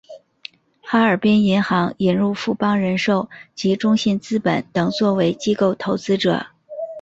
哈尔滨银行引入富邦人寿及中信资本等作为机构投资者。